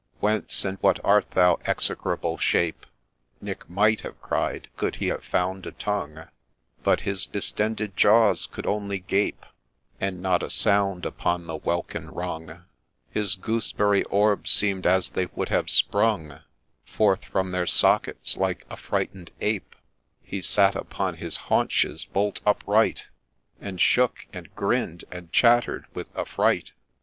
' Whence, and what art thou, Execrable Shape ?' Nick might have cried, could he have found a tongue, But his distended jaws could only gape, And not a sound upon the welkin rung : His gooseberry orbs seem'd as thejr would have sprung Forth from their sockets, — like a frighten'd Ape He sat upon his haunches, bolt upright, And shook, and grinn'd, and chatter'd with affright.